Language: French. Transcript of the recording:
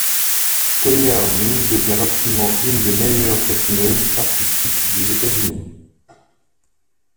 Tonya Harding devient rapidement une des meilleures patineuses artistiques des États-Unis.